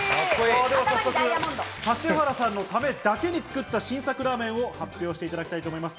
早速、指原さんのためだけに作った新作ラーメンを発表していただきたいと思います。